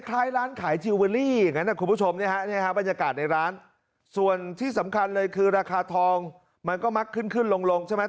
คล้ายร้านขายทิวเวอรี่อย่างนั้นนะคุณผู้ชมบรรยากาศในร้านส่วนที่สำคัญเลยคือราคาทองมันก็มักขึ้นขึ้นลงลงใช่ไหม